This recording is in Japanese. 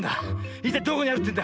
いったいどこにあるってんだ？